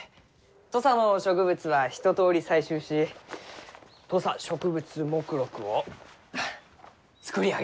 土佐の植物は一とおり採集し土佐植物目録を作り上げました。